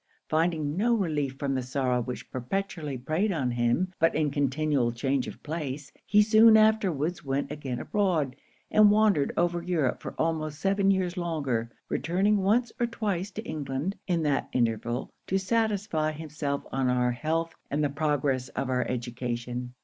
Finding no relief from the sorrow which perpetually preyed on him, but in continual change of place, he soon afterwards went again abroad, and wandered over Europe for almost seven years longer, returning once or twice to England in that interval to satisfy himself of our health and the progress of our education.